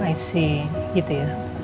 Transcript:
i see gitu ya